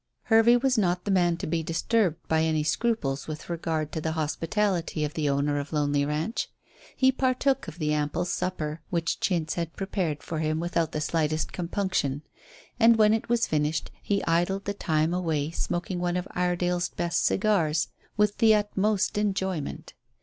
Hervey was not the man to be disturbed by any scruples with regard to the hospitality of the owner of Lonely Ranch. He partook of the ample supper which Chintz had prepared for him without the slightest compunction. And when it was finished he idled the time away smoking one of Iredale's best cigars with the utmost enjoyment.